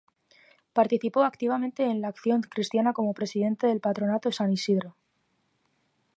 Participó activamente en la acción cristiana como presidente del Patronato San Isidro.